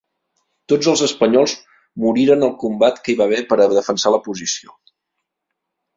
Tots els espanyols moriren al combat que hi va haver per a defensar la posició.